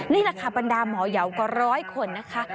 นี่แหละค่ะบรรดาหมอยาวกว่าร้อยคนนะคะ